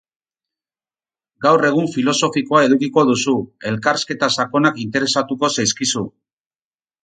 Gaur egun filosofikoa edukiko duzu, elkarrizketa sakonak interesatuko zaizkizu.